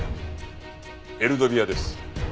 エルドビアです。